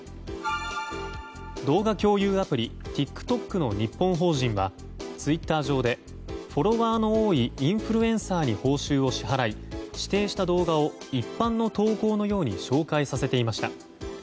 動画共有アプリＴｉｋＴｏｋの日本法人はツイッター上でフォロワーの多いインフルエンサーに報酬を支払い、指定した動画を一般の投稿のように紹介させていました。